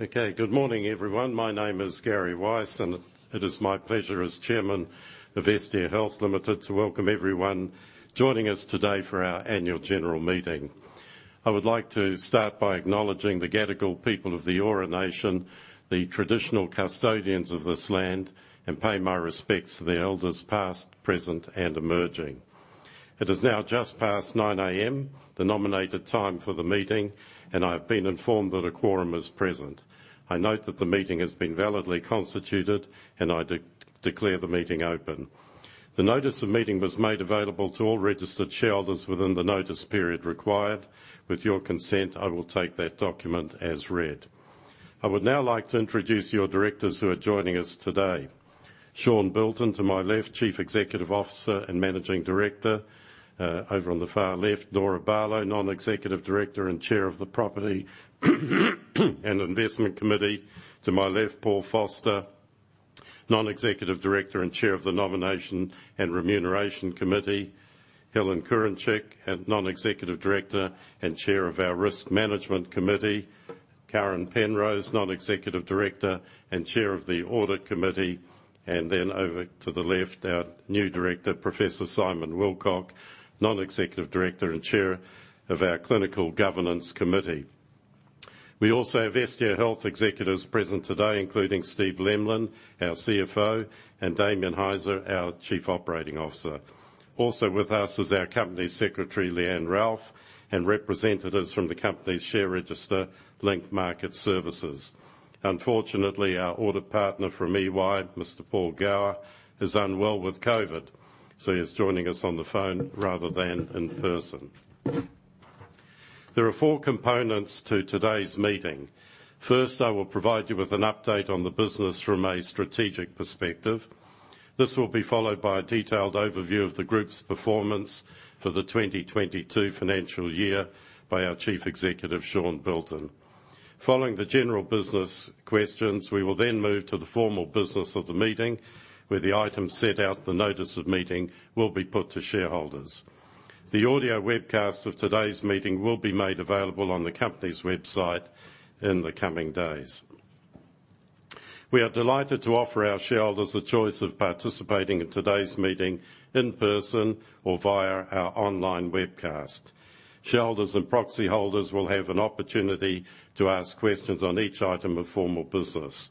Okay, good morning, everyone. My name is Gary Weiss, and it is my pleasure as chairman of Estia Health Limited to welcome everyone joining us today for our annual general meeting. I would like to start by acknowledging the Gadigal people of the Eora Nation, the traditional custodians of this land, and pay my respects to the elders past, present, and emerging. It is now just past 9 A.M., the nominated time for the meeting, and I have been informed that a quorum is present. I note that the meeting has been validly constituted, and I declare the meeting open. The notice of meeting was made available to all registered shareholders within the notice period required. With your consent, I will take that document as read. I would now like to introduce your directors who are joining us today. Sean Bilton, to my left, Chief Executive Officer and Managing Director. Over on the far left, Norah Barlow, Non-Executive Director and Chair of the Property and Investment Committee. To my left, Paul Foster, Non-Executive Director and Chair of the Nomination and Remuneration Committee. Helen Kurincic, and Non-Executive Director and Chair of our Risk Management Committee. Karen Penrose, Non-Executive Director and Chair of the Audit Committee. Then over to the left, our new director, Professor Simon Willcock, Non-Executive Director and Chair of our Clinical Governance Committee. We also have Estia Health executives present today, including Steve Lemlin, our CFO, and Damian Hiser, our Chief Operating Officer. Also with us is our Company Secretary, Leanne Ralph, and representatives from the company's share register, Link Market Services. Unfortunately, our audit partner from EY, Mr Paul Gower, is unwell with COVID, so he's joining us on the phone rather than in person. There are four components to today's meeting. First, I will provide you with an update on the business from a strategic perspective. This will be followed by a detailed overview of the group's performance for the 2022 financial year by our Chief Executive, Sean Bilton. Following the general business questions, we will then move to the formal business of the meeting, where the items set out in the notice of meeting will be put to shareholders. The audio webcast of today's meeting will be made available on the company's website in the coming days. We are delighted to offer our shareholders a choice of participating in today's meeting in person or via our online webcast. Shareholders and proxy holders will have an opportunity to ask questions on each item of formal business.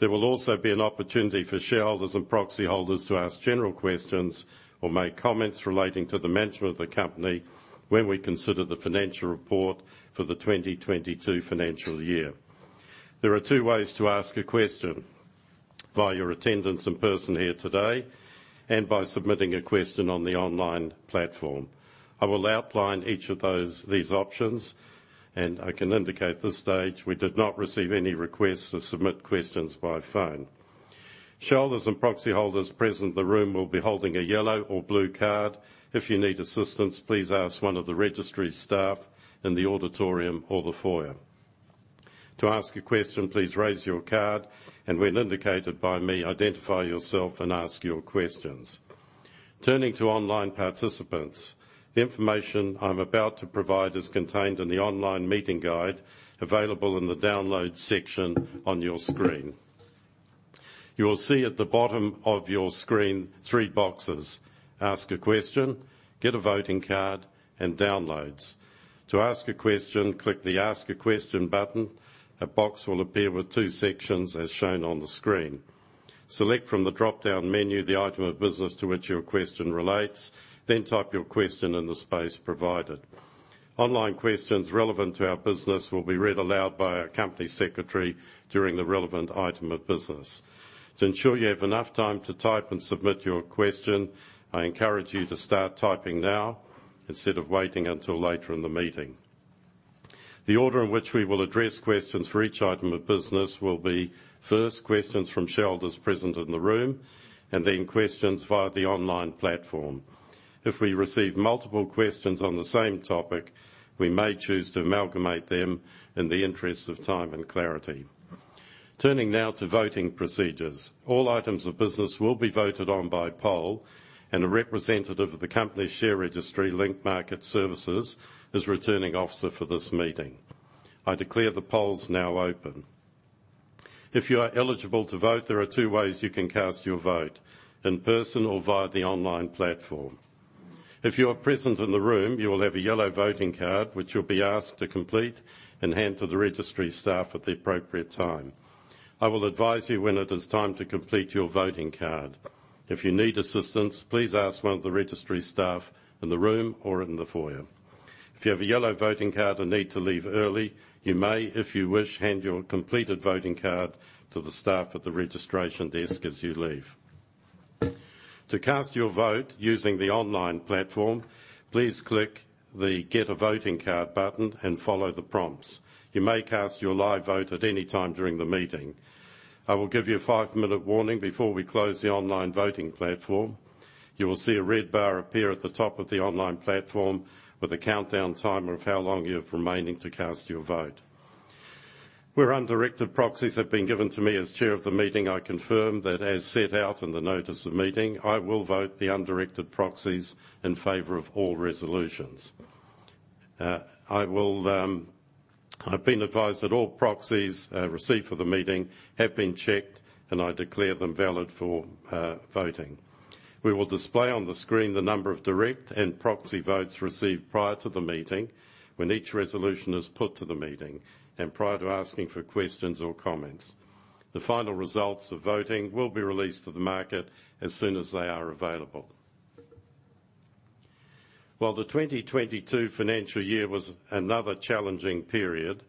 There will also be an opportunity for shareholders and proxy holders to ask general questions or make comments relating to the management of the company when we consider the financial report for the 2022 financial year. There are two ways to ask a question: via your attendance in person here today and by submitting a question on the online platform. I will outline each of those, these options, and I can indicate at this stage we did not receive any requests to submit questions by phone. Shareholders and proxy holders present in the room will be holding a yellow or blue card. If you need assistance, please ask one of the registry staff in the auditorium or the foyer. To ask a question, please raise your card, and when indicated by me, identify yourself and ask your questions. Turning to online participants, the information I'm about to provide is contained in the online meeting guide available in the Download section on your screen. You will see at the bottom of your screen three boxes, Ask a question, Get a voting card, and Downloads. To ask a question, click the Ask a question button. A box will appear with two sections as shown on the screen. Select from the dropdown menu the item of business to which your question relates, then type your question in the space provided. Online questions relevant to our business will be read aloud by our company secretary during the relevant item of business. To ensure you have enough time to type and submit your question, I encourage you to start typing now instead of waiting until later in the meeting. The order in which we will address questions for each item of business will be, first, questions from shareholders present in the room and then questions via the online platform. If we receive multiple questions on the same topic, we may choose to amalgamate them in the interest of time and clarity. Turning now to voting procedures. All items of business will be voted on by poll and a representative of the company share registry, Link Market Services, is Returning Officer for this meeting. I declare the polls now open. If you are eligible to vote, there are two ways you can cast your vote, in person or via the online platform. If you are present in the room, you will have a yellow voting card which you'll be asked to complete and hand to the registry staff at the appropriate time. I will advise you when it is time to complete your voting card. If you need assistance, please ask one of the registry staff in the room or in the foyer. If you have a yellow voting card and need to leave early, you may, if you wish, hand your completed voting card to the staff at the registration desk as you leave. To cast your vote using the online platform, please click the Get a voting card button and follow the prompts. You may cast your live vote at any time during the meeting. I will give you a five-minute warning before we close the online voting platform. You will see a red bar appear at the top of the online platform with a countdown timer of how long you have remaining to cast your vote. Where undirected proxies have been given to me as chair of the meeting, I confirm that as set out in the notice of meeting, I will vote the undirected proxies in favor of all resolutions. I've been advised that all proxies received for the meeting have been checked, and I declare them valid for voting. We will display on the screen the number of direct and proxy votes received prior to the meeting when each resolution is put to the meeting and prior to asking for questions or comments. The final results of voting will be released to the market as soon as they are available. While the 2022 financial year was another challenging period,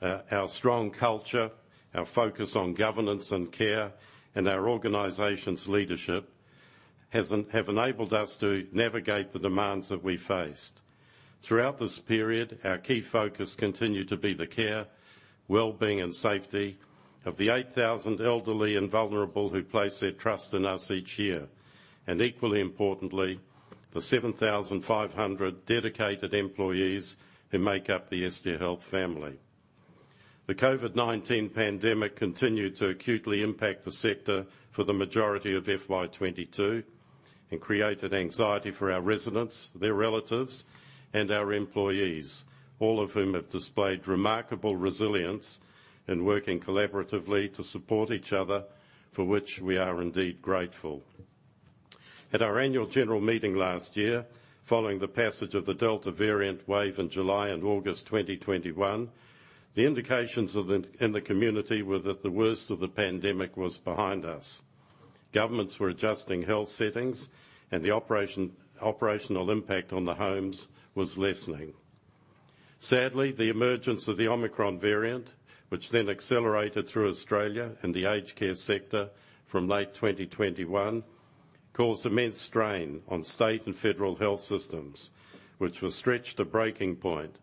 our strong culture, our focus on governance and care, and our organization's leadership have enabled us to navigate the demands that we faced. Throughout this period, our key focus continued to be the care, well-being, and safety of the 8,000 elderly and vulnerable who place their trust in us each year, and equally importantly, the 7,500 dedicated employees who make up the Estia Health family. The COVID-19 pandemic continued to acutely impact the sector for the majority of FY 2022 and created anxiety for our residents, their relatives, and our employees, all of whom have displayed remarkable resilience in working collaboratively to support each other, for which we are indeed grateful. At our annual general meeting last year, following the passage of the Delta variant wave in July and August 2021, the indications in the community were that the worst of the pandemic was behind us. Governments were adjusting health settings, and the operational impact on the homes was lessening. Sadly, the emergence of the Omicron variant, which then accelerated through Australia and the aged care sector from late 2021, caused immense strain on state and federal health systems, which were stretched to breaking point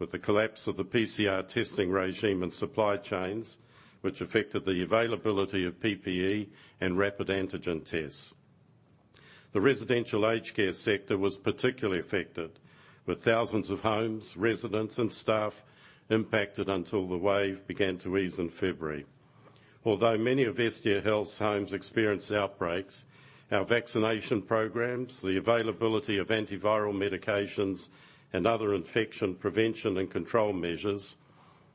with the collapse of the PCR testing regime and supply chains, which affected the availability of PPE and rapid antigen tests. The residential aged care sector was particularly affected, with thousands of homes, residents, and staff impacted until the wave began to ease in February. Although many of Estia Health's homes experienced outbreaks, our vaccination programs, the availability of antiviral medications, and other infection prevention and control measures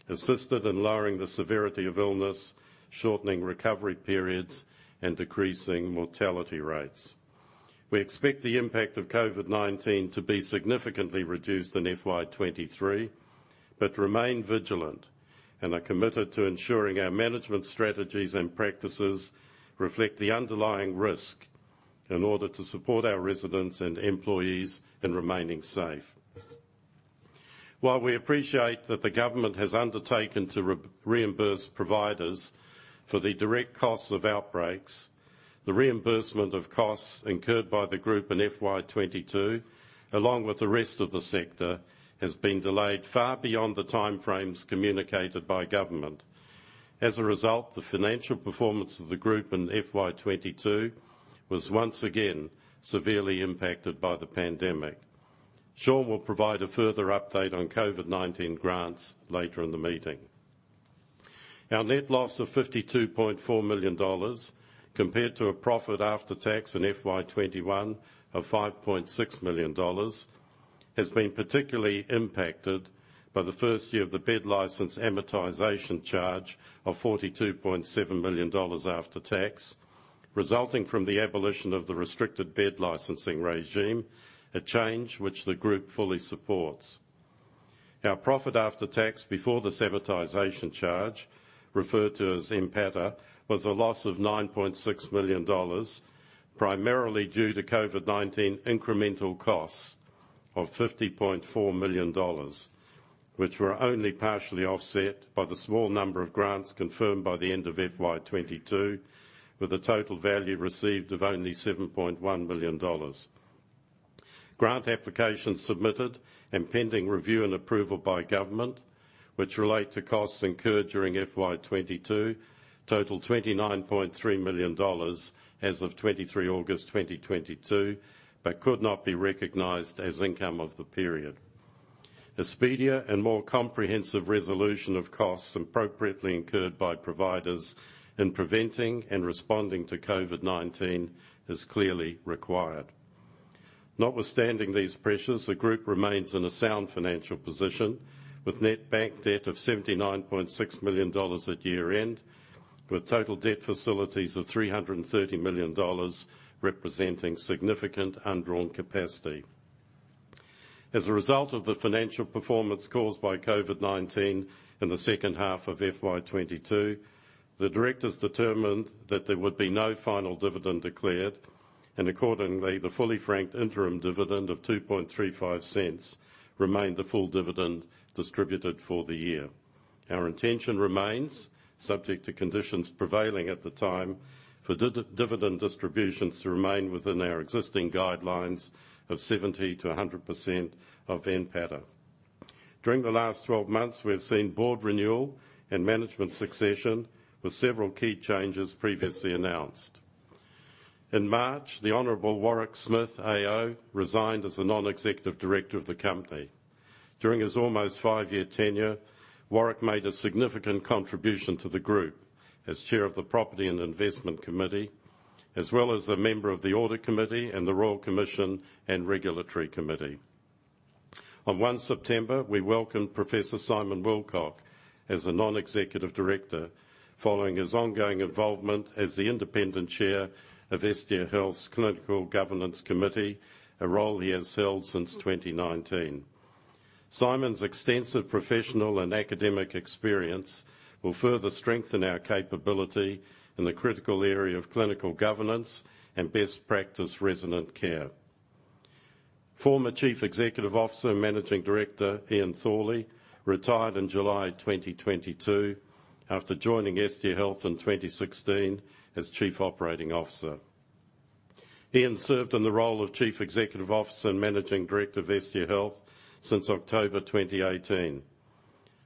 assisted in lowering the severity of illness, shortening recovery periods, and decreasing mortality rates. We expect the impact of COVID-19 to be significantly reduced in FY 2023, but remain vigilant and are committed to ensuring our management strategies and practices reflect the underlying risk in order to support our residents and employees in remaining safe. While we appreciate that the government has undertaken to reimburse providers for the direct costs of outbreaks, the reimbursement of costs incurred by the group in FY 2022, along with the rest of the sector, has been delayed far beyond the time frames communicated by government. As a result, the financial performance of the group in FY 2022 was once again severely impacted by the pandemic. Sean will provide a further update on COVID-19 grants later in the meeting. Our net loss of 52.4 million dollars, compared to a profit after tax in FY 2021 of 5.6 million dollars, has been particularly impacted by the first year of the bed license amortization charge of 42.7 million dollars after tax, resulting from the abolition of the restricted bed licensing regime, a change which the group fully supports. Our profit after tax before this amortization charge, referred to as NPATA, was a loss of AUD 9.6 million, primarily due to COVID-19 incremental costs of AUD 50.4 million, which were only partially offset by the small number of grants confirmed by the end of FY 2022, with a total value received of only 7.1 million dollars. Grant applications submitted and pending review and approval by government, which relate to costs incurred during FY 2022, total 29.3 million dollars as of 23 August 2022, but could not be recognized as income of the period. A speedier and more comprehensive resolution of costs appropriately incurred by providers in preventing and responding to COVID-19 is clearly required. Notwithstanding these pressures, the group remains in a sound financial position with net bank debt of AUD 79.6 million at year-end, with total debt facilities of AUD 330 million, representing significant undrawn capacity. As a result of the financial performance caused by COVID-19 in the second half of FY 2022, the directors determined that there would be no final dividend declared, and accordingly, the fully franked interim dividend of 0.0235 remained the full dividend distributed for the year. Our intention remains, subject to conditions prevailing at the time, for dividend distributions to remain within our existing guidelines of 70%-100% of NPATA. During the last 12 months, we have seen board renewal and management succession, with several key changes previously announced. In March, the Honorable Warwick Smith, AO, resigned as a non-executive director of the company. During his almost five year tenure, Warwick made a significant contribution to the group as chair of the Property and Investment Committee, as well as a member of the Audit Committee and the Royal Commission and Regulatory Committee. On 1 September, we welcomed Professor Simon Willcock as a non-executive director, following his ongoing involvement as the independent chair of Estia Health's Clinical Governance Committee, a role he has held since 2019. Simon Willcock's extensive professional and academic experience will further strengthen our capability in the critical area of clinical governance and best practice resident care. Former Chief Executive Officer and Managing Director, Ian Thorley, retired in July 2022 after joining Estia Health in 2016 as Chief Operating Officer. Ian served in the role of Chief Executive Officer and Managing Director of Estia Health since October 2018.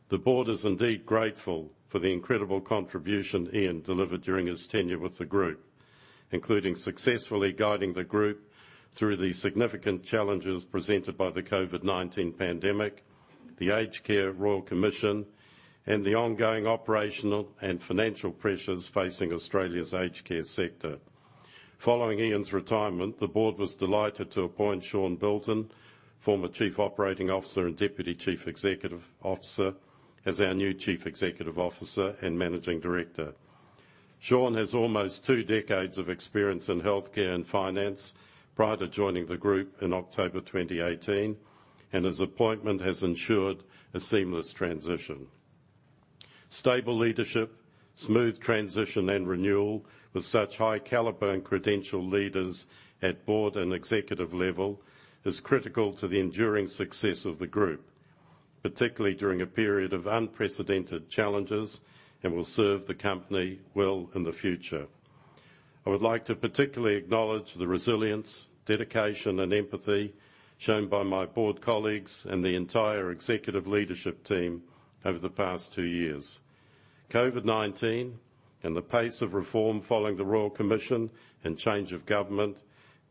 The board is indeed grateful for the incredible contribution Ian delivered during his tenure with the group, including successfully guiding the group through the significant challenges presented by the COVID-19 pandemic, the Aged Care Royal Commission, and the ongoing operational and financial pressures facing Australia's aged care sector. Following Ian's retirement, the board was delighted to appoint Sean Bilton, former Chief Operating Officer and Deputy Chief Executive Officer, as our new Chief Executive Officer and Managing Director. Sean has almost two decades of experience in healthcare and finance prior to joining the group in October 2018, and his appointment has ensured a seamless transition. Stable leadership, smooth transition, and renewal with such high caliber and credential leaders at board and executive level is critical to the enduring success of the group, particularly during a period of unprecedented challenges, and will serve the company well in the future. I would like to particularly acknowledge the resilience, dedication, and empathy shown by my board colleagues and the entire executive leadership team over the past two years. COVID-19 and the pace of reform following the Royal Commission and change of government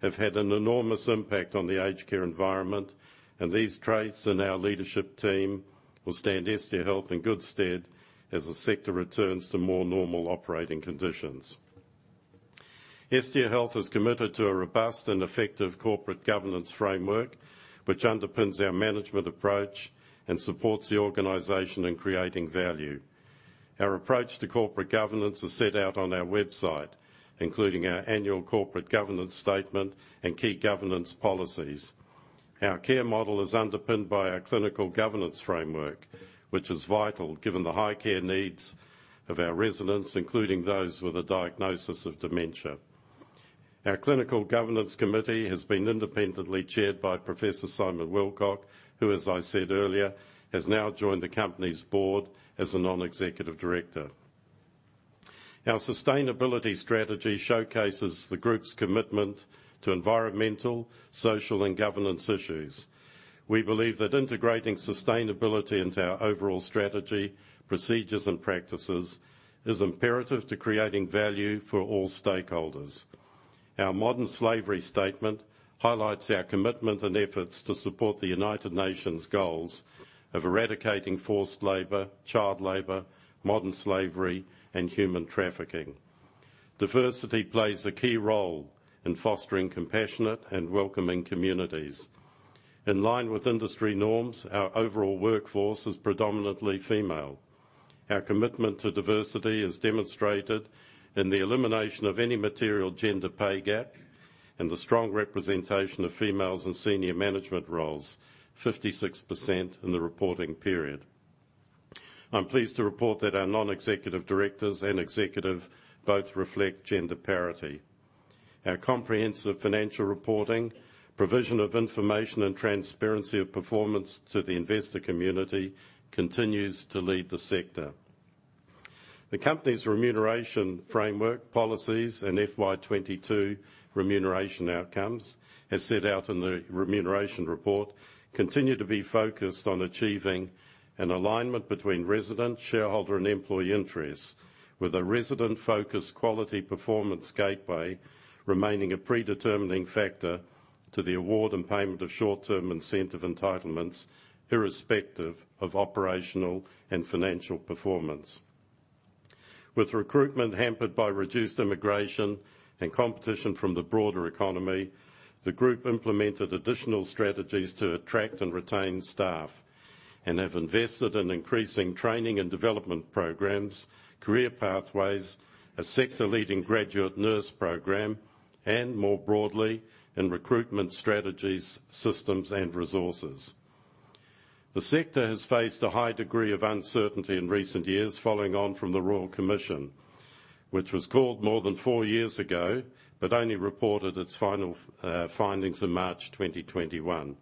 have had an enormous impact on the aged care environment, and these traits in our leadership team will stand Estia Health in good stead as the sector returns to more normal operating conditions. Estia Health is committed to a robust and effective corporate governance framework, which underpins our management approach and supports the organization in creating value. Our approach to corporate governance is set out on our website, including our annual corporate governance statement and key governance policies. Our care model is underpinned by our clinical governance framework, which is vital given the high care needs of our residents, including those with a diagnosis of dementia. Our Clinical Governance Committee has been independently chaired by Professor Simon Willcock, who, as I said earlier, has now joined the company's board as a non-executive director. Our sustainability strategy showcases the group's commitment to environmental, social, and governance issues. We believe that integrating sustainability into our overall strategy, procedures, and practices is imperative to creating value for all stakeholders. Our modern slavery statement highlights our commitment and efforts to support the United Nations goals of eradicating forced labor, child labor, modern slavery, and human trafficking. Diversity plays a key role in fostering compassionate and welcoming communities. In line with industry norms, our overall workforce is predominantly female. Our commitment to diversity is demonstrated in the elimination of any material gender pay gap and the strong representation of females in senior management roles, 56% in the reporting period. I'm pleased to report that our non-executive directors and executive both reflect gender parity. Our comprehensive financial reporting, provision of information, and transparency of performance to the investor community continues to lead the sector. The company's remuneration framework, policies, and FY 2022 remuneration outcomes, as set out in the remuneration report, continue to be focused on achieving an alignment between resident, shareholder, and employee interests with a resident-focused quality performance gateway remaining a predetermining factor to the award and payment of short-term incentive entitlements, irrespective of operational and financial performance. With recruitment hampered by reduced immigration and competition from the broader economy, the group implemented additional strategies to attract and retain staff, and have invested in increasing training and development programs, career pathways, a sector leading graduate nurse program, and more broadly, in recruitment strategies, systems, and resources. The sector has faced a high degree of uncertainty in recent years following on from the Royal Commission, which was called more than four years ago, but only reported its final findings in March 2021.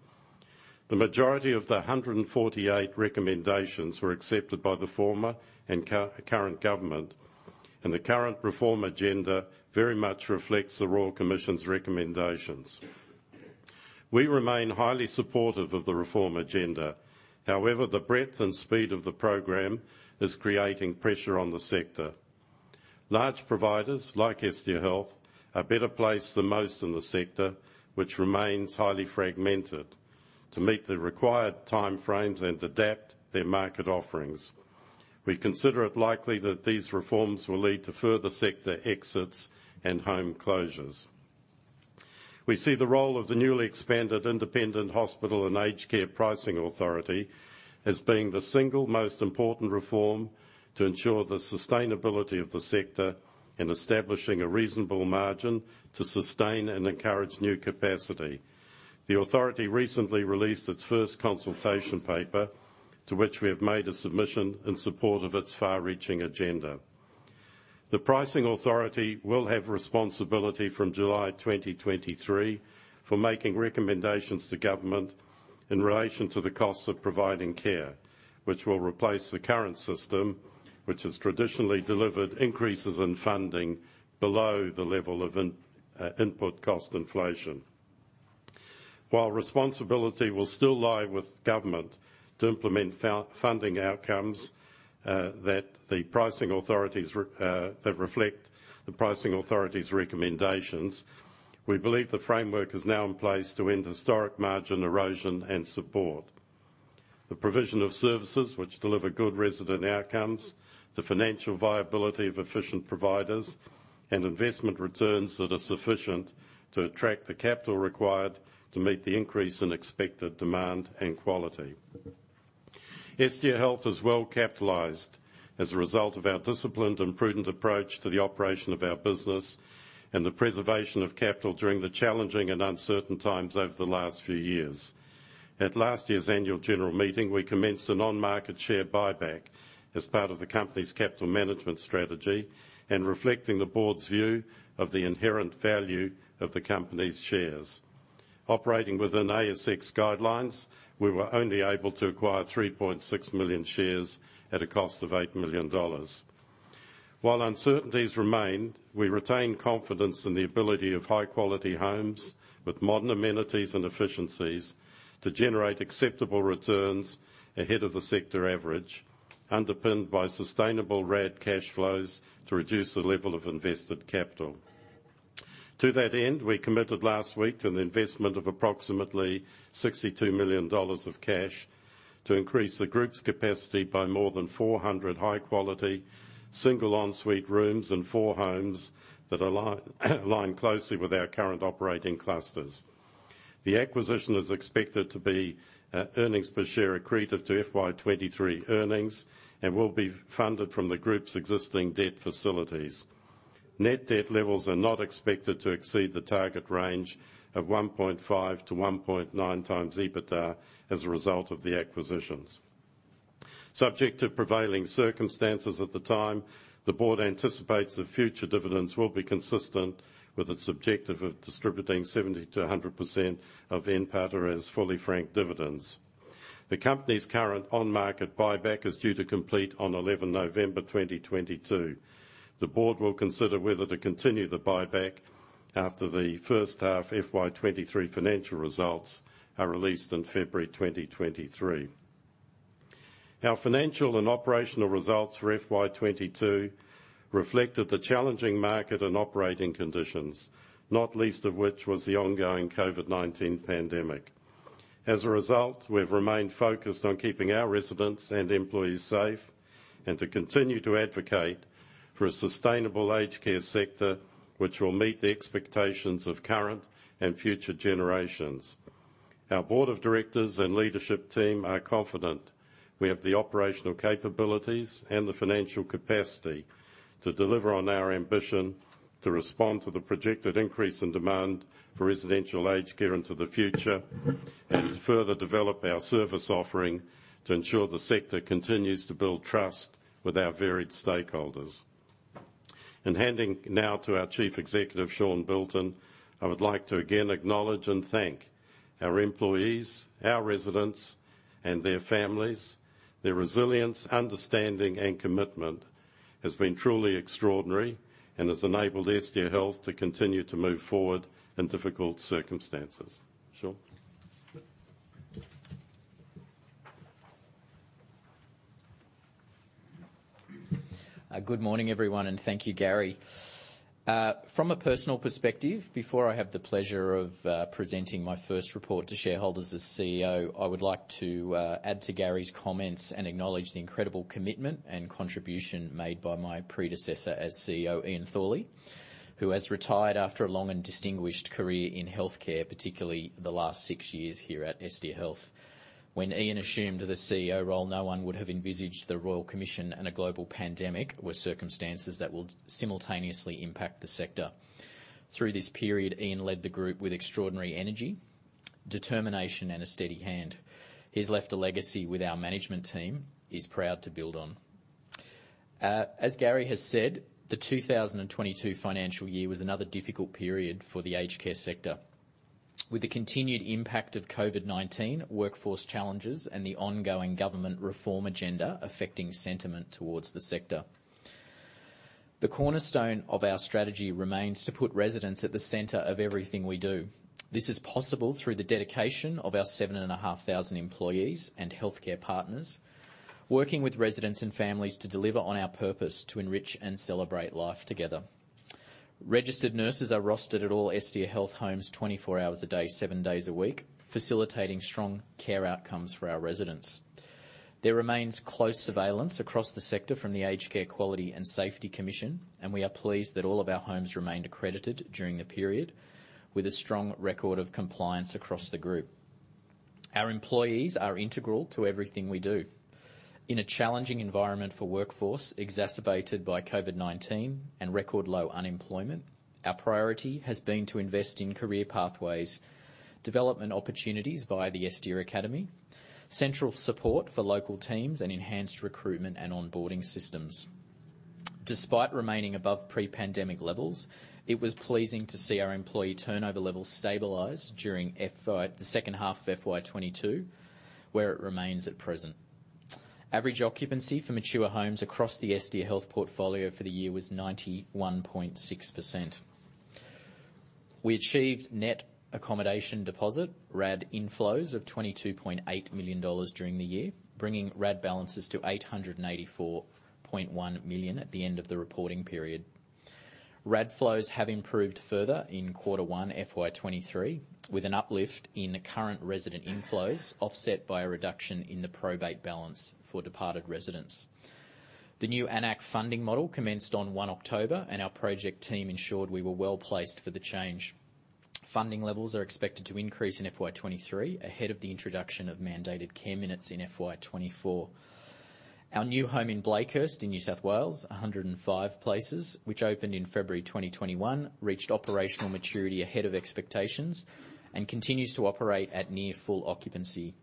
The majority of the 148 recommendations were accepted by the former and current government, and the current reform agenda very much reflects the Royal Commission's recommendations. We remain highly supportive of the reform agenda. However, the breadth and speed of the program is creating pressure on the sector. Large providers like Estia Health are better placed than most in the sector, which remains highly fragmented to meet the required time frames and adapt their market offerings. We consider it likely that these reforms will lead to further sector exits and home closures. We see the role of the newly expanded Independent Health and Aged Care Pricing Authority as being the single most important reform to ensure the sustainability of the sector in establishing a reasonable margin to sustain and encourage new capacity. The authority recently released its first consultation paper, to which we have made a submission in support of its far-reaching agenda. The pricing authority will have responsibility from July 2023 for making recommendations to government in relation to the costs of providing care, which will replace the current system, which has traditionally delivered increases in funding below the level of input cost inflation. While responsibility will still lie with government to implement funding outcomes that reflect the pricing authority's recommendations, we believe the framework is now in place to end historic margin erosion and support the provision of services which deliver good resident outcomes, the financial viability of efficient providers, and investment returns that are sufficient to attract the capital required to meet the increase in expected demand and quality. Estia Health is well capitalized as a result of our disciplined and prudent approach to the operation of our business and the preservation of capital during the challenging and uncertain times over the last few years. At last year's annual general meeting, we commenced an on-market share buyback as part of the company's capital management strategy and reflecting the board's view of the inherent value of the company's shares. Operating within ASX guidelines, we were only able to acquire 3.6 million shares at a cost of 8 million dollars. While uncertainties remain, we retain confidence in the ability of high-quality homes with modern amenities and efficiencies to generate acceptable returns ahead of the sector average, underpinned by sustainable RAD cash flows to reduce the level of invested capital. To that end, we committed last week to an investment of approximately 62 million dollars of cash to increase the group's capacity by more than 400 high-quality single ensuite rooms and four homes that align closely with our current operating clusters. The acquisition is expected to be earnings per share accretive to FY 2023 earnings and will be funded from the group's existing debt facilities. Net debt levels are not expected to exceed the target range of 1.5-1.9x EBITDA as a result of the acquisitions. Subject to prevailing circumstances at the time, the board anticipates that future dividends will be consistent with its objective of distributing 70%-100% of NPATA as fully franked dividends. The company's current on-market buyback is due to complete on 11 November 2022. The board will consider whether to continue the buyback after the first half FY 2023 financial results are released in February 2023. Our financial and operational results for FY 2022 reflected the challenging market and operating conditions, not least of which was the ongoing COVID-19 pandemic. As a result, we've remained focused on keeping our residents and employees safe and to continue to advocate for a sustainable aged care sector which will meet the expectations of current and future generations. Our board of directors and leadership team are confident we have the operational capabilities and the financial capacity to deliver on our ambition to respond to the projected increase in demand for residential aged care into the future, and to further develop our service offering to ensure the sector continues to build trust with our varied stakeholders. Handing now to our Chief Executive, Sean Bilton, I would like to again acknowledge and thank our employees, our residents, and their families. Their resilience, understanding, and commitment has been truly extraordinary and has enabled Estia Health to continue to move forward in difficult circumstances. Sean? Good morning, everyone, and thank you, Gary. From a personal perspective, before I have the pleasure of presenting my first report to shareholders as CEO, I would like to add to Gary's comments and acknowledge the incredible commitment and contribution made by my predecessor as CEO, Ian Thorley, who has retired after a long and distinguished career in healthcare, particularly the last six years here at Estia Health. When Ian assumed the CEO role, no one would have envisaged the Royal Commission and a global pandemic were circumstances that would simultaneously impact the sector. Through this period, Ian led the group with extraordinary energy, determination, and a steady hand. He's left a legacy with our management team he's proud to build on. As Gary has said, the 2022 financial year was another difficult period for the aged care sector. With the continued impact of COVID-19, workforce challenges, and the ongoing government reform agenda affecting sentiment towards the sector. The cornerstone of our strategy remains to put residents at the center of everything we do. This is possible through the dedication of our 7,500 employees and healthcare partners, working with residents and families to deliver on our purpose to enrich and celebrate life together. Registered nurses are rostered at all Estia Health homes 24 hours a day, seven days a week, facilitating strong care outcomes for our residents. There remains close surveillance across the sector from the Aged Care Quality and Safety Commission, and we are pleased that all of our homes remained accredited during the period, with a strong record of compliance across the group. Our employees are integral to everything we do. In a challenging environment for workforce, exacerbated by COVID-19 and record low unemployment, our priority has been to invest in career pathways, development opportunities via the Estia Academy, central support for local teams, and enhanced recruitment and onboarding systems. Despite remaining above pre-pandemic levels, it was pleasing to see our employee turnover levels stabilize during the second half of FY 2022, where it remains at present. Average occupancy for mature homes across the Estia Health portfolio for the year was 91.6%. We achieved net accommodation deposit, RAD inflows, of 22.8 million dollars during the year, bringing RAD balances to 884.1 million at the end of the reporting period. RAD flows have improved further in quarter one, FY 2023, with an uplift in the current resident inflows, offset by a reduction in the probate balance for departed residents. The new AN-ACC funding model commenced on 1 October, and our project team ensured we were well-placed for the change. Funding levels are expected to increase in FY 2023, ahead of the introduction of mandated care minutes in FY 2024. Our new home in Blakehurst, in New South Wales, 105 places, which opened in February 2021, reached operational maturity ahead of expectations and continues to operate at near full occupancy.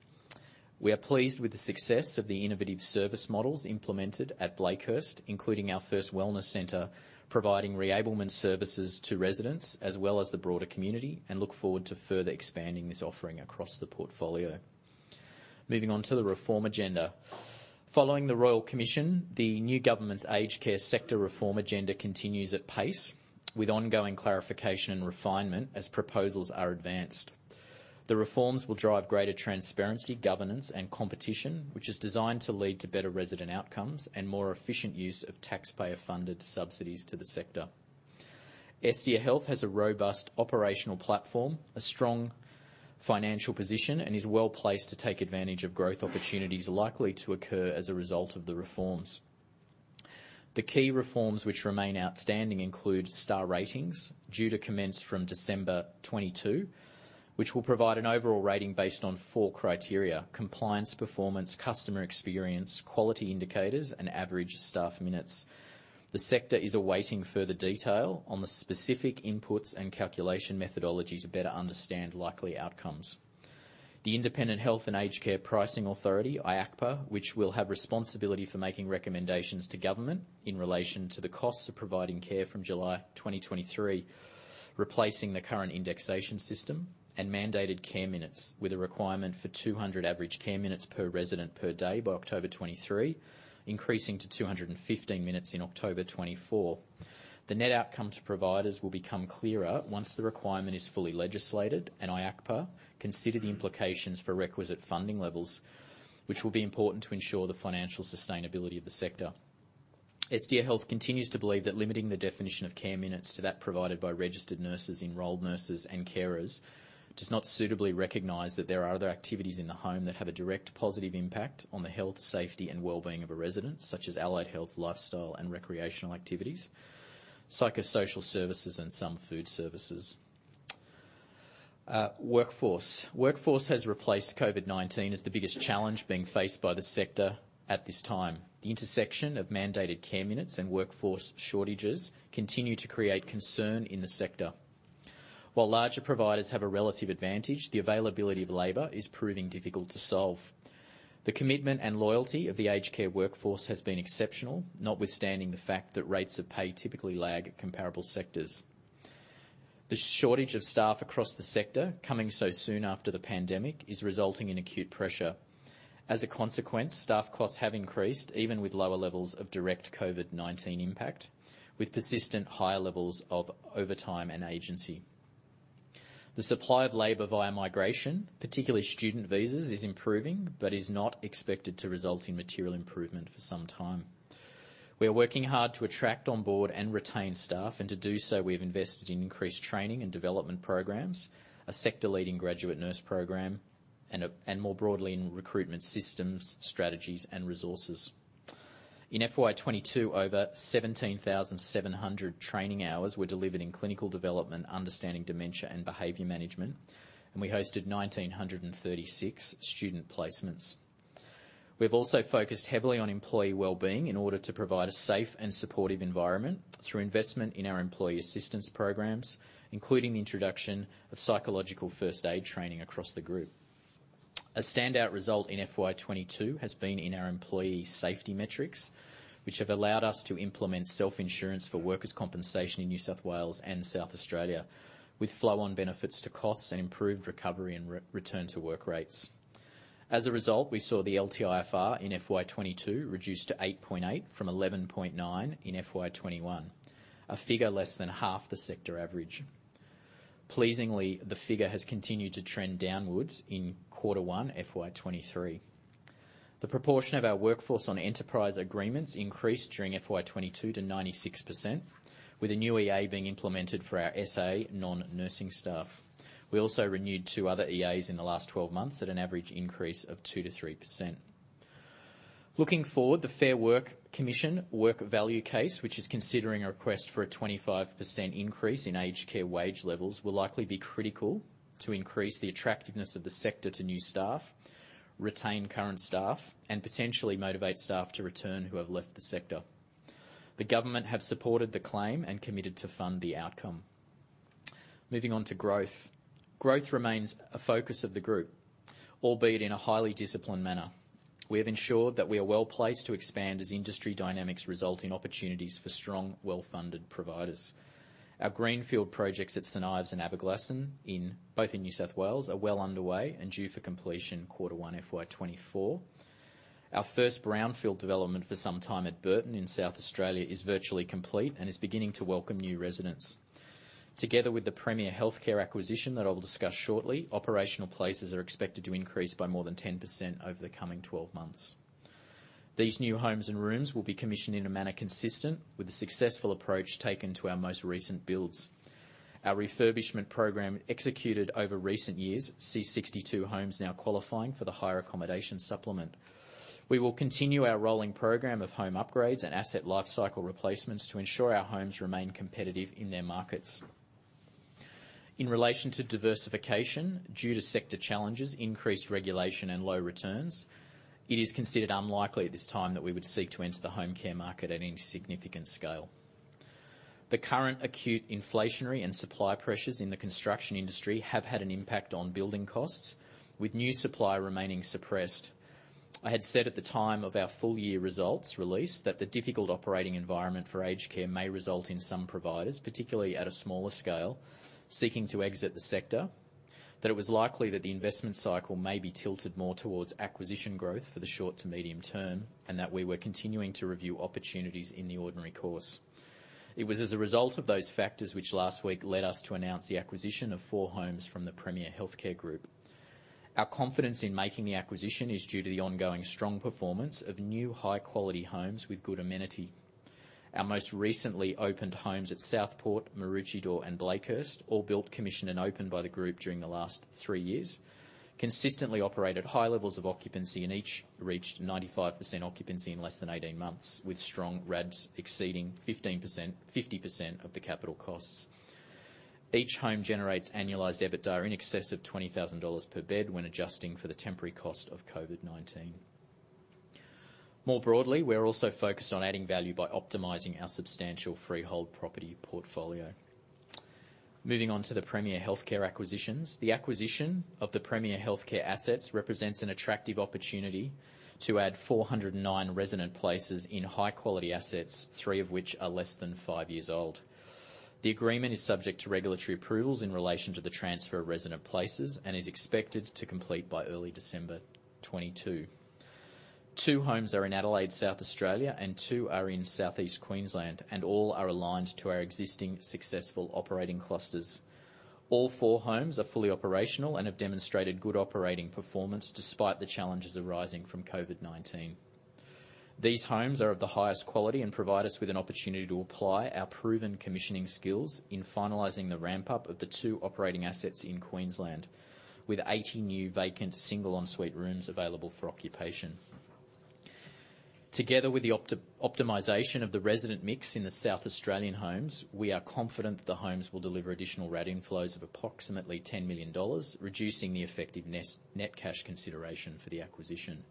We are pleased with the success of the innovative service models implemented at Blakehurst, including our first wellness center, providing reablement services to residents as well as the broader community, and look forward to further expanding this offering across the portfolio. Moving on to the reform agenda. Following the Royal Commission, the new government's aged care sector reform agenda continues at pace, with ongoing clarification and refinement as proposals are advanced. The reforms will drive greater transparency, governance, and competition, which is designed to lead to better resident outcomes and more efficient use of taxpayer-funded subsidies to the sector. Estia Health has a robust operational platform, a strong financial position, and is well-placed to take advantage of growth opportunities likely to occur as a result of the reforms. The key reforms which remain outstanding include star ratings, due to commence from December 2022, which will provide an overall rating based on four criteria, compliance, performance, customer experience, quality indicators, and average staff minutes. The sector is awaiting further detail on the specific inputs and calculation methodology to better understand likely outcomes. The Independent Health and Aged Care Pricing Authority, IHACPA, which will have responsibility for making recommendations to government in relation to the costs of providing care from July 2023, replacing the current indexation system, and mandated care minutes, with a requirement for 200 average care minutes per resident per day by October 2023, increasing to 215 minutes in October 2024. The net outcome to providers will become clearer once the requirement is fully legislated and IHACPA consider the implications for requisite funding levels, which will be important to ensure the financial sustainability of the sector. Estia Health continues to believe that limiting the definition of care minutes to that provided by registered nurses, enrolled nurses, and carers, does not suitably recognize that there are other activities in the home that have a direct positive impact on the health, safety, and well-being of a resident, such as allied health, lifestyle, and recreational activities, psychosocial services, and some food services. Workforce has replaced COVID-19 as the biggest challenge being faced by the sector at this time. The intersection of mandated care minutes and workforce shortages continue to create concern in the sector. While larger providers have a relative advantage, the availability of labor is proving difficult to solve. The commitment and loyalty of the aged care workforce has been exceptional, notwithstanding the fact that rates of pay typically lag at comparable sectors. The shortage of staff across the sector, coming so soon after the pandemic, is resulting in acute pressure. As a consequence, staff costs have increased, even with lower levels of direct COVID-19 impact, with persistent higher levels of overtime and agency. The supply of labor via migration, particularly student visas, is improving, but is not expected to result in material improvement for some time. We are working hard to attract on board and retain staff, and to do so, we have invested in increased training and development programs, a sector leading graduate nurse program, and more broadly in recruitment systems, strategies, and resources. In FY 2022, over 17,700 training hours were delivered in clinical development, understanding dementia, and behavior management, and we hosted 1,936 student placements. We've also focused heavily on employee well-being in order to provide a safe and supportive environment through investment in our employee assistance programs, including the introduction of psychological first aid training across the group. A standout result in FY 2022 has been in our employee safety metrics, which have allowed us to implement self-insurance for workers' compensation in New South Wales and South Australia, with flow-on benefits to costs and improved recovery and re-return to work rates. As a result, we saw the LTIFR in FY 2022 reduce to 8.8 from 11.9 in FY 2021, a figure less than half the sector average. Pleasingly, the figure has continued to trend downwards in quarter one, FY 2023. The proportion of our workforce on enterprise agreements increased during FY 2022 to 96%, with a new EA being implemented for our SA non-nursing staff. We also renewed two other EAs in the last 12 months at an average increase of 2%-3%. Looking forward, the Fair Work Commission work value case, which is considering a request for a 25% increase in aged care wage levels, will likely be critical to increase the attractiveness of the sector to new staff, retain current staff, and potentially motivate staff to return who have left the sector. The government have supported the claim and committed to fund the outcome. Moving on to growth. Growth remains a focus of the group, albeit in a highly disciplined manner. We have ensured that we are well-placed to expand as industry dynamics result in opportunities for strong, well-funded providers. Our greenfield projects at St Ives and Aberglasslyn, both in New South Wales, are well underway and due for completion quarter one, FY 2024. Our first brownfield development for some time at Burton in South Australia is virtually complete and is beginning to welcome new residents. Together with the Premier Health Care acquisition that I will discuss shortly, operational places are expected to increase by more than 10% over the coming 12 months. These new homes and rooms will be commissioned in a manner consistent with the successful approach taken to our most recent builds. Our refurbishment program executed over recent years sees 62 homes now qualifying for the higher accommodation supplement. We will continue our rolling program of home upgrades and asset lifecycle replacements to ensure our homes remain competitive in their markets. In relation to diversification, due to sector challenges, increased regulation and low returns, it is considered unlikely at this time that we would seek to enter the home care market at any significant scale. The current acute inflationary and supply pressures in the construction industry have had an impact on building costs, with new supply remaining suppressed. I had said at the time of our full year results release that the difficult operating environment for aged care may result in some providers, particularly at a smaller scale, seeking to exit the sector, that it was likely that the investment cycle may be tilted more towards acquisition growth for the short to medium term, and that we were continuing to review opportunities in the ordinary course. It was as a result of those factors which last week led us to announce the acquisition of four homes from the Premier Health Care Group. Our confidence in making the acquisition is due to the ongoing strong performance of new high-quality homes with good amenity. Our most recently opened homes at Southport, Maroochydore, and Blakehurst, all built, commissioned, and opened by the group during the last three years, consistently operate at high levels of occupancy and each reached 95% occupancy in less than 18 months, with strong RADs exceeding 15%, 50% of the capital costs. Each home generates annualized EBITDA in excess of 20,000 dollars per bed when adjusting for the temporary cost of COVID-19. More broadly, we are also focused on adding value by optimizing our substantial freehold property portfolio. Moving on to the Premier Health Care acquisitions. The acquisition of the Premier Health Care assets represents an attractive opportunity to add 409 resident places in high-quality assets, three of which are less than five years old. The agreement is subject to regulatory approvals in relation to the transfer of resident places and is expected to complete by early December 2022. Two homes are in Adelaide, South Australia, and two are in Southeast Queensland, and all are aligned to our existing successful operating clusters. All four homes are fully operational and have demonstrated good operating performance despite the challenges arising from COVID-19. These homes are of the highest quality and provide us with an opportunity to apply our proven commissioning skills in finalizing the ramp-up of the two operating assets in Queensland, with 80 new vacant single ensuite rooms available for occupation. Together with the optimization of the resident mix in the South Australian homes, we are confident that the homes will deliver additional RAD inflows of approximately 10 million dollars, reducing the effective net cash consideration for the acquisition.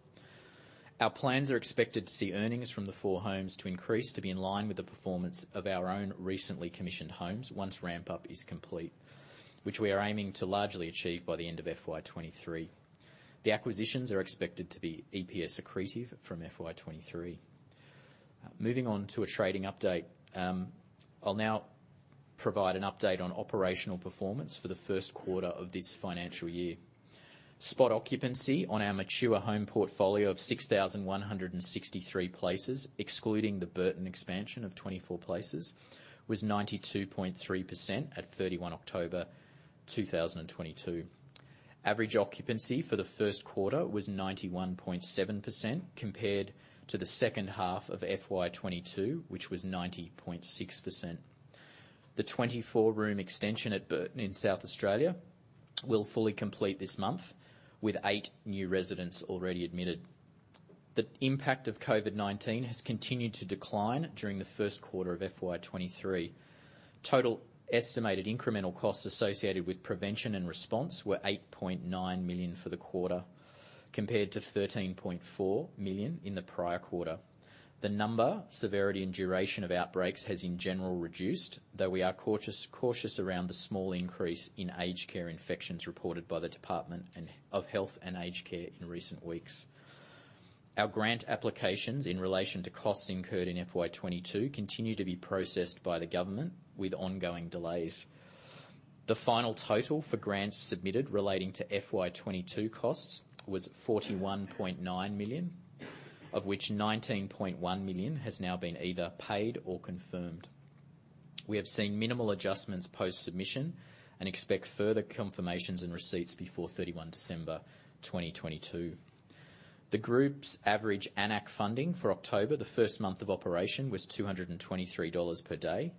Our plans are expected to see earnings from the four homes to increase to be in line with the performance of our own recently commissioned homes once ramp-up is complete, which we are aiming to largely achieve by the end of FY 2023. The acquisitions are expected to be EPS accretive from FY 2023. Moving on to a trading update. I'll now provide an update on operational performance for the first quarter of this financial year. Spot occupancy on our mature home portfolio of 6,163 places, excluding the Burton expansion of 24 places, was 92.3% at 31 October 2022. Average occupancy for the first quarter was 91.7% compared to the second half of FY 2022, which was 90.6%. The 24-room extension at Burton in South Australia will fully complete this month, with eight new residents already admitted. The impact of COVID-19 has continued to decline during the first quarter of FY 2023. Total estimated incremental costs associated with prevention and response were 8.9 million for the quarter, compared to 13.4 million in the prior quarter. The number, severity, and duration of outbreaks has, in general, reduced, though we are cautious around the small increase in aged care infections reported by the Department of Health and Aged Care in recent weeks. Our grant applications in relation to costs incurred in FY 2022 continue to be processed by the government with ongoing delays. The final total for grants submitted relating to FY 2022 costs was 41.9 million, of which 19.1 million has now been either paid or confirmed. We have seen minimal adjustments post-submission and expect further confirmations and receipts before 31 December 2022. The group's average AN-ACC funding for October, the first month of operation, was 223 dollars per day.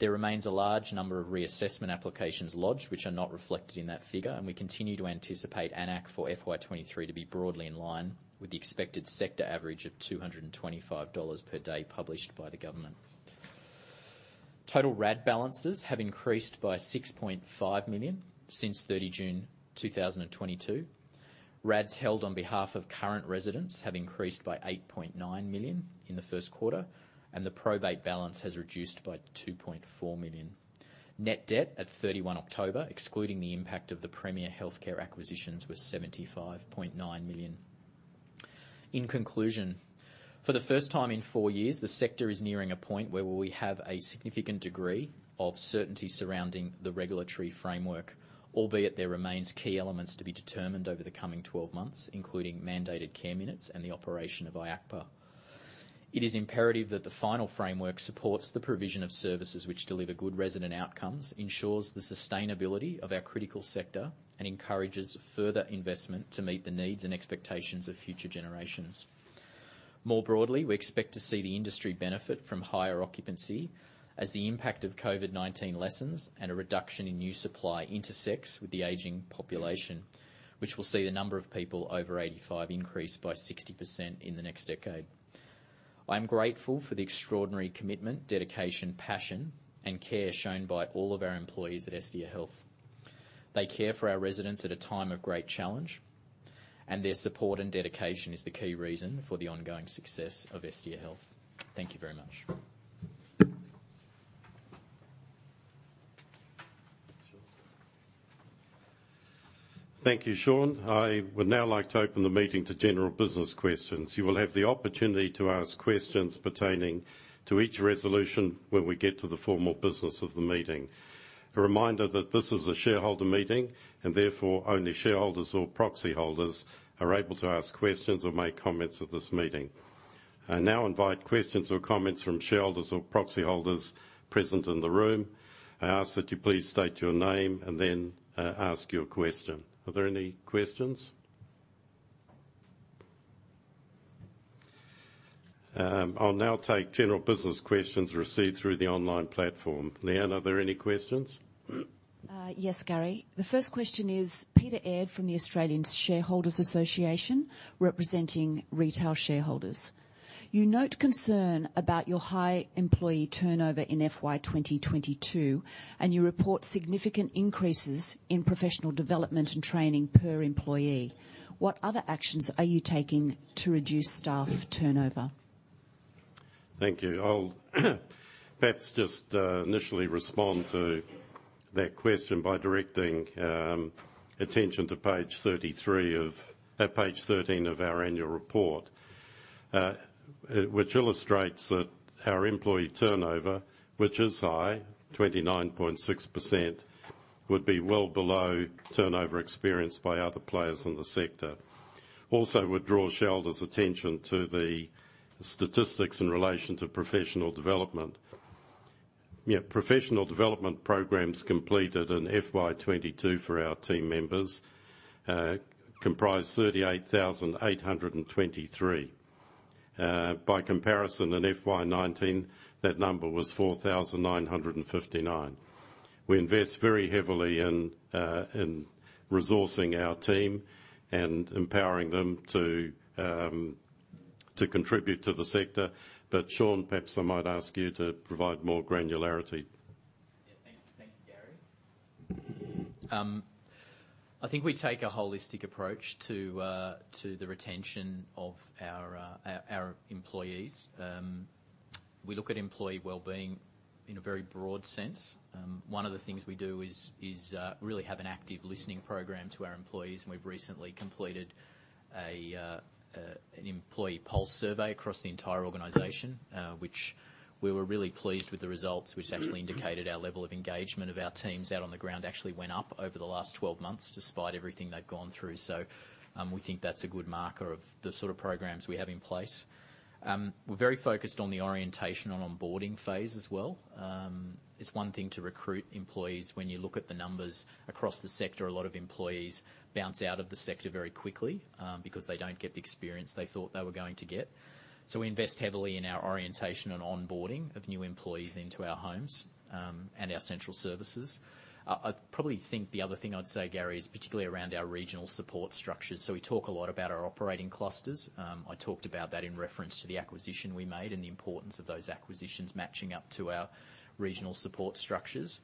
There remains a large number of reassessment applications lodged which are not reflected in that figure, and we continue to anticipate AN-ACC for FY 2023 to be broadly in line with the expected sector average of 225 dollars per day published by the government. Total RAD balances have increased by 6.5 million since 30 June 2022. RADs held on behalf of current residents have increased by 8.9 million in the first quarter, and the probate balance has reduced by 2.4 million. Net debt at 31 October, excluding the impact of the Premier Health Care acquisitions, was 75.9 million. In conclusion, for the first time in four years, the sector is nearing a point where we have a significant degree of certainty surrounding the regulatory framework, albeit there remains key elements to be determined over the coming 12 months, including mandated care minutes and the operation of IHACPA. It is imperative that the final framework supports the provision of services which deliver good resident outcomes, ensures the sustainability of our critical sector, and encourages further investment to meet the needs and expectations of future generations. More broadly, we expect to see the industry benefit from higher occupancy as the impact of COVID-19 lessens and a reduction in new supply intersects with the aging population, which will see the number of people over 85 increase by 60% in the next decade. I'm grateful for the extraordinary commitment, dedication, passion, and care shown by all of our employees at Estia Health. They care for our residents at a time of great challenge, and their support and dedication is the key reason for the ongoing success of Estia Health. Thank you very much. Thank you, Sean. I would now like to open the meeting to general business questions. You will have the opportunity to ask questions pertaining to each resolution when we get to the formal business of the meeting. A reminder that this is a shareholder meeting, and therefore, only shareholders or proxy holders are able to ask questions or make comments at this meeting. I now invite questions or comments from shareholders or proxy holders present in the room. I ask that you please state your name and then ask your question. Are there any questions? I'll now take general business questions received through the online platform. Leanne, are there any questions? Yes, Gary. The first question is Peter Aird from the Australian Shareholders' Association, representing retail shareholders. You note concern about your high employee turnover in FY 2022, and you report significant increases in professional development and training per employee. What other actions are you taking to reduce staff turnover? Thank you. I'll perhaps just initially respond to that question by directing attention to page 13 of our annual report, which illustrates that our employee turnover, which is high, 29.6%, would be well below turnover experienced by other players in the sector. Also would draw shareholders' attention to the statistics in relation to professional development. You know, professional development programs completed in FY 2022 for our team members comprised 38,823. By comparison, in FY 2019, that number was 4,959. We invest very heavily in resourcing our team and empowering them to contribute to the sector. Sean, perhaps I might ask you to provide more granularity. Yeah. Thank you, Gary. I think we take a holistic approach to the retention of our employees. We look at employee well-being in a very broad sense. One of the things we do is really have an active listening program to our employees, and we've recently completed an employee pulse survey across the entire organization, which we were really pleased with the results, which actually indicated our level of engagement of our teams out on the ground actually went up over the last 12 months despite everything they've gone through. We think that's a good marker of the sort of programs we have in place. We're very focused on the orientation and onboarding phase as well. It's one thing to recruit employees. When you look at the numbers across the sector, a lot of employees bounce out of the sector very quickly, because they don't get the experience they thought they were going to get. We invest heavily in our orientation and onboarding of new employees into our homes, and our central services. I probably think the other thing I'd say, Gary, is particularly around our regional support structures. We talk a lot about our operating clusters. I talked about that in reference to the acquisition we made and the importance of those acquisitions matching up to our regional support structures.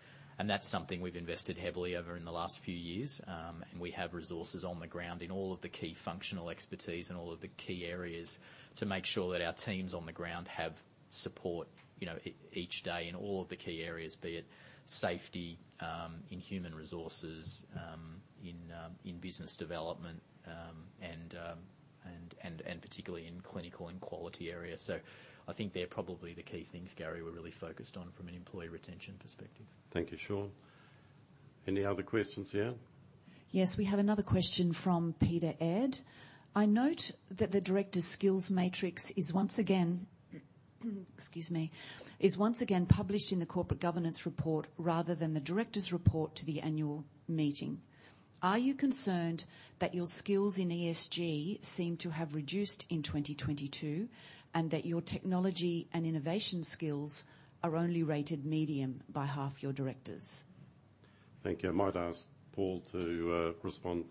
That's something we've invested heavily over the last few years. We have resources on the ground in all of the key functional expertise and all of the key areas. To make sure that our teams on the ground have support, you know, each day in all of the key areas, be it safety, in human resources, in business development, and particularly in clinical and quality areas. I think they're probably the key things, Gary, we're really focused on from an employee retention perspective. Thank you, Sean. Any other questions, Leanne? Yes. We have another question from Peter Aird. I note that the directors' skills matrix is once again published in the Corporate Governance report rather than the directors' report to the annual meeting. Are you concerned that your skills in ESG seem to have reduced in 2022, and that your technology and innovation skills are only rated medium by half your directors? Thank you. I might ask Paul to respond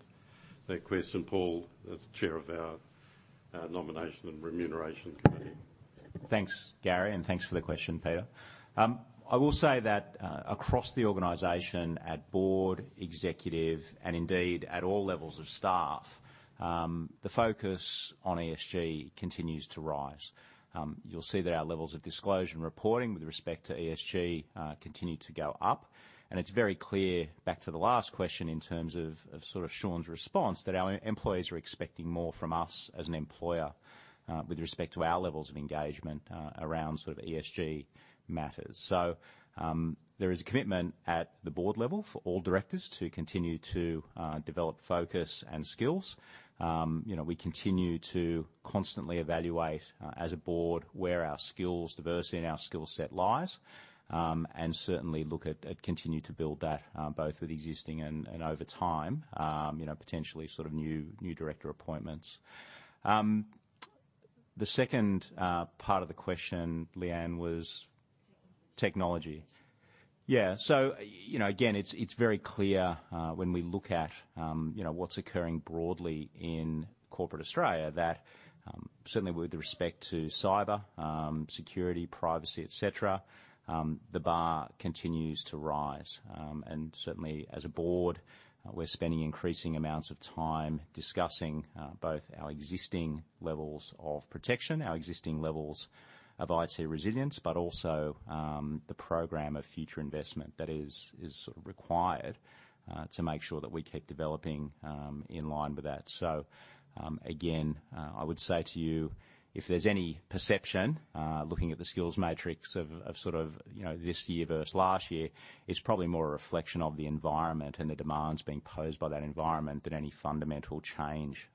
to that question. Paul, as chair of our Nomination and Remuneration Committee. Thanks, Gary, and thanks for the question, Peter. I will say that, across the organization at board, executive, and indeed at all levels of staff, the focus on ESG continues to rise. You'll see that our levels of disclosure and reporting with respect to ESG continue to go up. It's very clear, back to the last question in terms of sort of Sean's response, that our employees are expecting more from us as an employer, with respect to our levels of engagement, around sort of ESG matters. There is a commitment at the board level for all directors to continue to, develop focus and skills. You know, we continue to constantly evaluate as a board where our skills diversity and our skill set lies, and certainly look at continuing to build that both with existing and over time, you know, potentially sort of new director appointments. The second part of the question, Leanne, was technology. Yeah. You know, again, it's very clear when we look at you know what's occurring broadly in corporate Australia, that certainly with respect to cyber security, privacy, et cetera, the bar continues to rise. Certainly as a board, we're spending increasing amounts of time discussing both our existing levels of protection, our existing levels of IT resilience, but also the program of future investment that is sort of required to make sure that we keep developing in line with that. Again, I would say to you, if there's any perception looking at the skills matrix of sort of, you know, this year versus last year, it's probably more a reflection of the environment and the demands being posed by that environment than any fundamental change,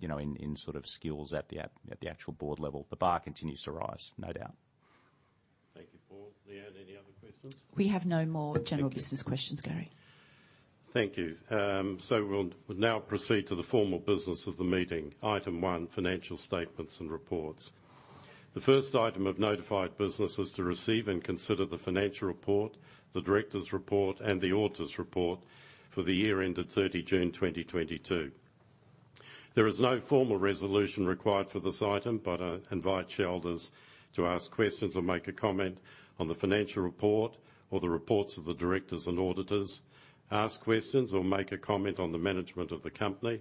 you know, in sort of skills at the actual board level. The bar continues to rise, no doubt. Thank you, Paul. Leanne, any other questions? We have no more- Thank you. General business questions, Gary. Thank you. We'll now proceed to the formal business of the meeting. Item one, financial statements and reports. The first item of notified business is to receive and consider the financial report, the directors' report, and the auditors' report for the year ended 30 June 2022. There is no formal resolution required for this item, but I invite shareholders to ask questions or make a comment on the financial report or the reports of the directors and auditors. Ask questions or make a comment on the management of the company.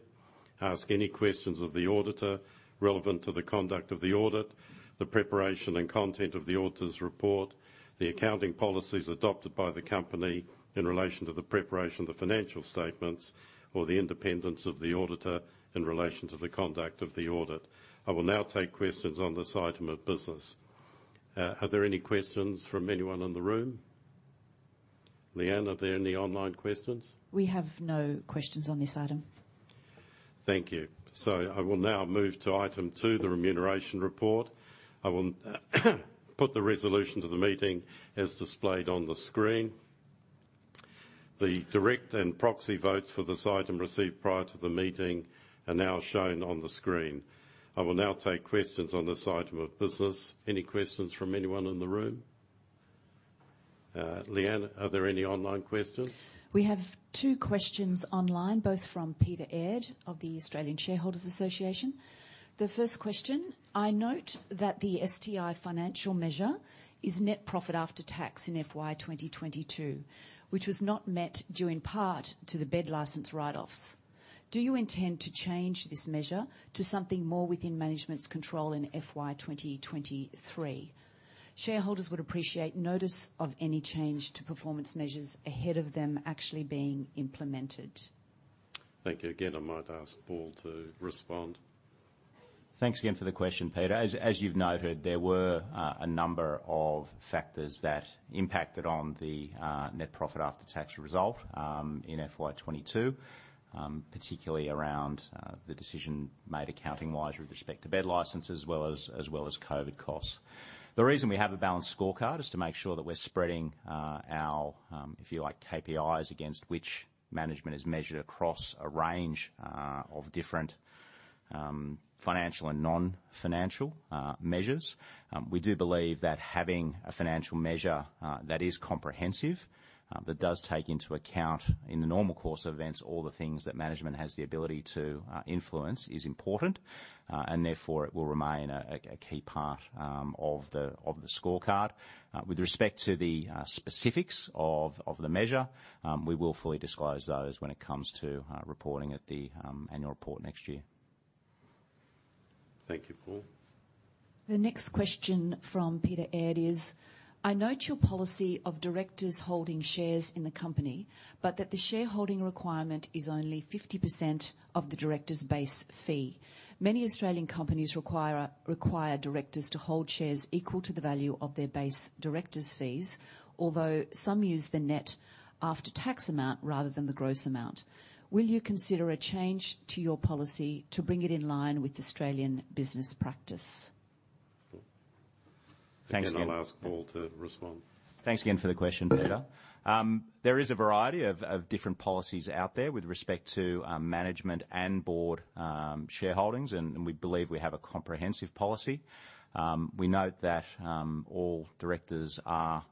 Ask any questions of the auditor relevant to the conduct of the audit, the preparation and content of the auditors' report, the accounting policies adopted by the company in relation to the preparation of the financial statements, or the independence of the auditor in relation to the conduct of the audit. I will now take questions on this item of business. Are there any questions from anyone in the room? Leanne, are there any online questions? We have no questions on this item. Thank you. I will now move to item two, the remuneration report. I will put the resolution to the meeting as displayed on the screen. The direct and proxy votes for this item received prior to the meeting are now shown on the screen. I will now take questions on this item of business. Any questions from anyone in the room? Leanne, are there any online questions? We have two questions online, both from Peter Aird of the Australian Shareholders' Association. The first question, I note that the STI financial measure is net profit after tax in FY 2022, which was not met due in part to the bed license write-offs. Do you intend to change this measure to something more within management's control in FY 2023? Shareholders would appreciate notice of any change to performance measures ahead of them actually being implemented. Thank you. Again, I might ask Paul to respond. Thanks again for the question, Peter. As you've noted, there were a number of factors that impacted on the net profit after tax result in FY 2022, particularly around the decision made accounting-wise with respect to bed licenses, as well as COVID costs. The reason we have a balanced scorecard is to make sure that we're spreading our, if you like, KPIs against which management is measured across a range of different financial and non-financial measures. We do believe that having a financial measure that is comprehensive that does take into account in the normal course of events all the things that management has the ability to influence is important, and therefore it will remain a key part of the scorecard. With respect to the specifics of the measure, we will fully disclose those when it comes to reporting at the annual report next year. Thank you, Paul. The next question from Peter Aird is: I note your policy of directors holding shares in the company, but that the shareholding requirement is only 50% of the director's base fee. Many Australian companies require directors to hold shares equal to the value of their base director's fees. Although some use the net after-tax amount rather than the gross amount. Will you consider a change to your policy to bring it in line with Australian business practice? Again, I'll ask Paul to respond. Thanks again for the question, Peter. There is a variety of different policies out there with respect to management and board shareholdings, and we believe we have a comprehensive policy. We note that all directors are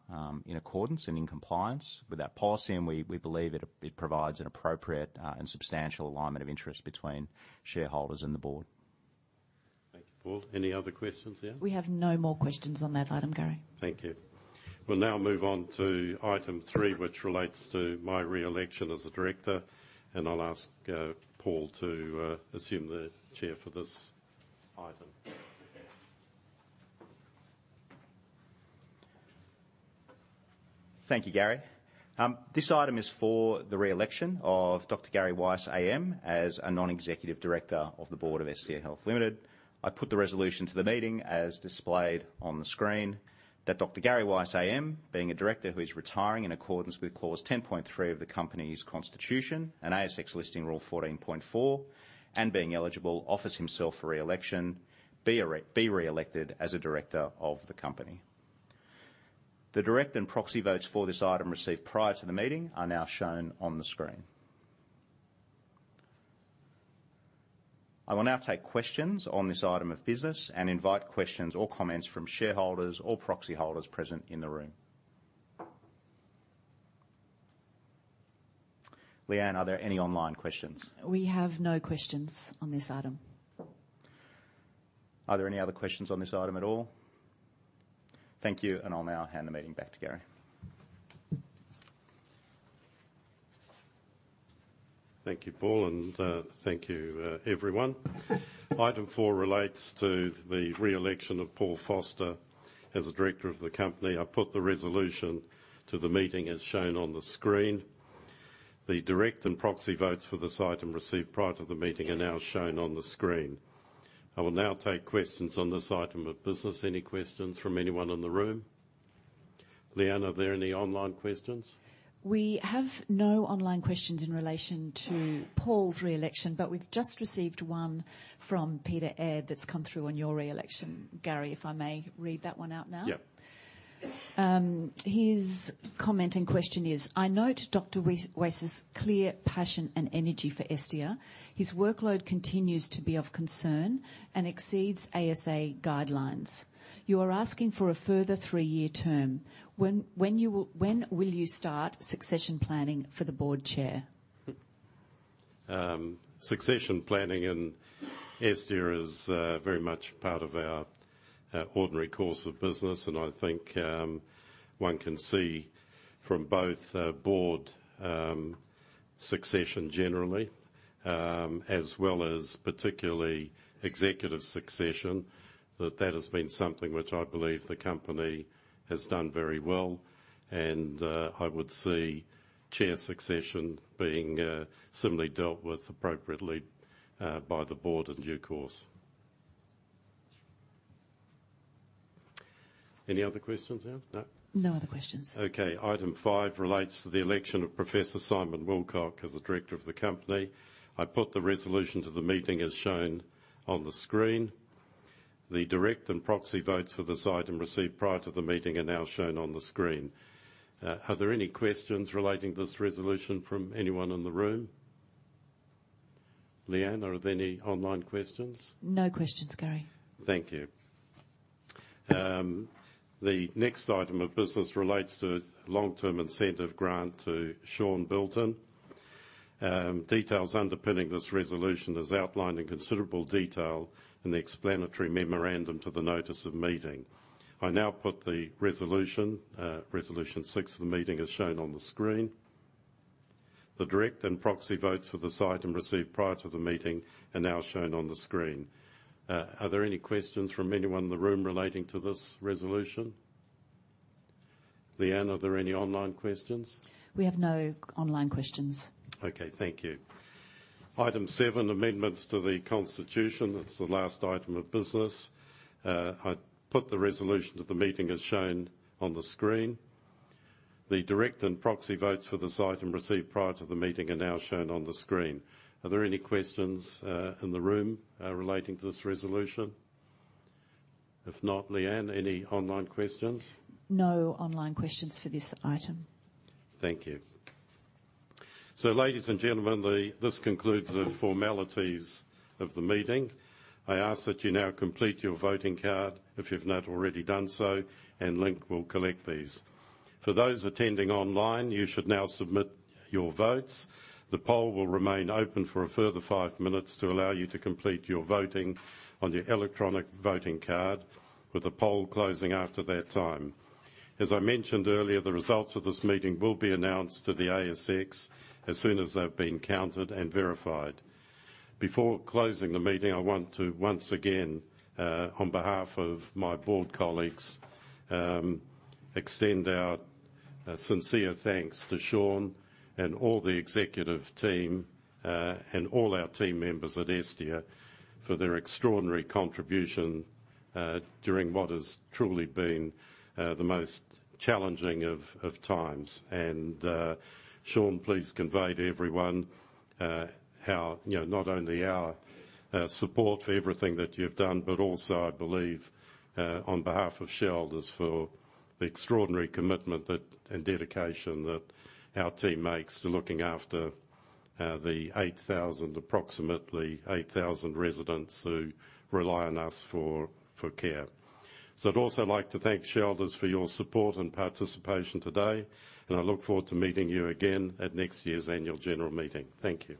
in accordance and in compliance with our policy, and we believe it provides an appropriate and substantial alignment of interest between shareholders and the board. Thank you, Paul. Any other questions, Leanne? We have no more questions on that item, Gary. Thank you. We'll now move on to item three, which relates to my re-election as a director, and I'll ask Paul to assume the chair for this item. Thank you, Gary. This item is for the re-election of Dr Gary Weiss AM as a non-executive director of the board of Estia Health Limited. I put the resolution to the meeting as displayed on the screen. That Dr Gary Weiss AM, being a director who is retiring in accordance with clause 10.3 of the company's constitution and ASX listing rule 14.4, and being eligible, offers himself for re-election, be re-elected as a director of the company. The direct and proxy votes for this item received prior to the meeting are now shown on the screen. I will now take questions on this item of business and invite questions or comments from shareholders or proxy holders present in the room. Leanne, are there any online questions? We have no questions on this item. Are there any other questions on this item at all? Thank you, and I'll now hand the meeting back to Gary. Thank you, Paul, and thank you, everyone. Item four relates to the re-election of Paul Foster as a director of the company. I put the resolution to the meeting as shown on the screen. The direct and proxy votes for this item received prior to the meeting are now shown on the screen. I will now take questions on this item of business. Any questions from anyone in the room? Leanne, are there any online questions? We have no online questions in relation to Paul's re-election, but we've just received one from Peter Aird that's come through on your re-election, Gary, if I may read that one out now. Yep. His comment and question is: I note Dr. Weiss's clear passion and energy for Estia. His workload continues to be of concern and exceeds ASA guidelines. You are asking for a further three-year term. When will you start succession planning for the board chair? Succession planning in Estia is very much part of our ordinary course of business, and I think one can see from both board succession generally as well as particularly executive succession, that has been something which I believe the company has done very well, and I would see chair succession being similarly dealt with appropriately by the board in due course. Any other questions now? No. No other questions. Okay. Item five relates to the election of Professor Simon Willcock as a director of the company. I put the resolution to the meeting as shown on the screen. The direct and proxy votes for this item received prior to the meeting are now shown on the screen. Are there any questions relating to this resolution from anyone in the room? Leanne, are there any online questions? No questions, Gary. Thank you. The next item of business relates to long-term incentive grant to Sean Bilton. Details underpinning this resolution is outlined in considerable detail in the explanatory memorandum to the notice of meeting. I now put the resolution six of the meeting as shown on the screen. The direct and proxy votes for this item received prior to the meeting are now shown on the screen. Are there any questions from anyone in the room relating to this resolution? Leanne, are there any online questions? We have no online questions. Okay. Thank you. Item seven, amendments to the constitution. That's the last item of business. I put the resolution to the meeting as shown on the screen. The direct and proxy votes for this item received prior to the meeting are now shown on the screen. Are there any questions in the room relating to this resolution? If not, Leanne, any online questions? No online questions for this item. Thank you. Ladies and gentlemen, this concludes the formalities of the meeting. I ask that you now complete your voting card if you've not already done so, and Link will collect these. For those attending online, you should now submit your votes. The poll will remain open for a further five minutes to allow you to complete your voting on your electronic voting card, with the poll closing after that time. As I mentioned earlier, the results of this meeting will be announced to the ASX as soon as they've been counted and verified. Before closing the meeting, I want to once again on behalf of my board colleagues extend our sincere thanks to Sean and all the executive team and all our team members at Estia for their extraordinary contribution during what has truly been the most challenging of times. Sean, please convey to everyone how, you know, not only our support for everything that you've done, but also, I believe, on behalf of shareholders for the extraordinary commitment that and dedication that our team makes to looking after the approximately 8,000 residents who rely on us for care. I'd also like to thank shareholders for your support and participation today, and I look forward to meeting you again at next year's annual general meeting. Thank you.